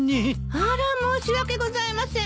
あら申し訳ございません。